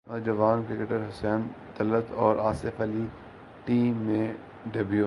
نوجوان کرکٹر حسین طلعت اور اصف علی کا ٹی میں ڈیبیو